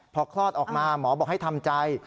พอคลอดออกมาหมอบอกให้ทำใจ